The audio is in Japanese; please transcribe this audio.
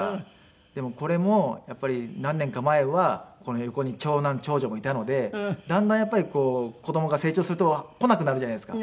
でもこれもやっぱり何年か前はこの横に長男長女もいたのでだんだんやっぱりこう子供が成長すると来なくなるじゃないですか。